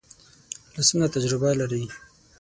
لاسونه تجربه لري